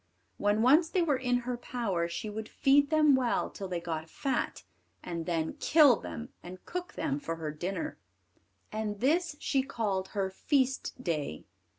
When once they were in her power, she would feed them well till they got fat, and then kill them and cook them for her dinner; and this she called her feast day.